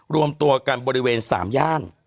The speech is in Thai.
รวมตัวกันบริเวณ๓ย่าน